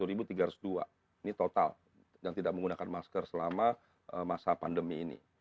ini total yang tidak menggunakan masker selama masa pandemi ini